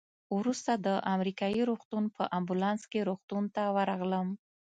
وروسته د امریکایي روغتون په امبولانس کې روغتون ته ورغلم.